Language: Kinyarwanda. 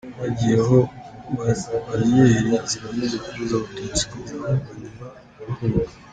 Hagiyeho bariyeri zigamije kubuza Abatutsi kugira aho banyura bahunga.